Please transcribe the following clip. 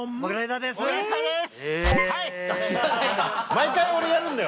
「毎回俺がやるんだよ」